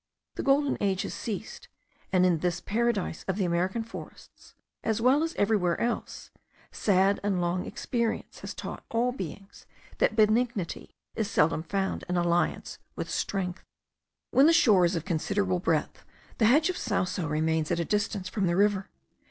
The golden age has ceased; and in this Paradise of the American forests, as well as everywhere else, sad and long experience has taught all beings that benignity is seldom found in alliance with strength. When the shore is of considerable breadth, the hedge of sauso remains at a distance from the river.